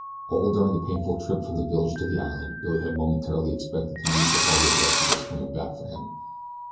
All during the painful trip from the village to the island Billy had momentarily expected to meet a party of rescuers coming back for him.